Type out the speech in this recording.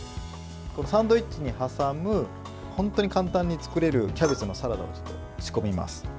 サンドイッチに挟む本当に簡単に作れるキャベツのサラダを作ります。